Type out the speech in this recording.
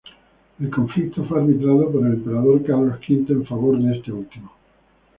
El conflicto fue arbitrado por el Emperador Carlos V en favor de este último.